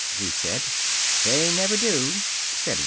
we said. "They never do!" said we.